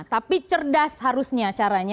tapi cerdas harusnya caranya